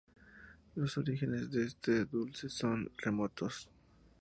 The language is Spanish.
Los orígenes de este dulce son remotos.